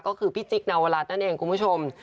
ก็คือพี่จิ๊กนวรัฐนั่นเองคุณผู้ชม